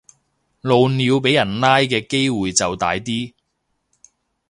露鳥俾人拉嘅機會就大啲